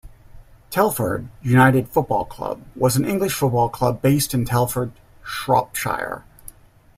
Telford United Football Club was an English football club based in Telford, Shropshire.